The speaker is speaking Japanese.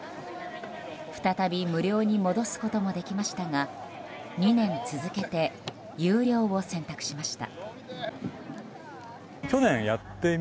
再び無料に戻すこともできましたが２年続けて有料を選択しました。